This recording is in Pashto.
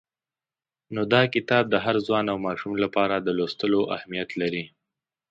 نو دا کتاب د هر ځوان او ماشوم لپاره د لوستلو اهمیت لري.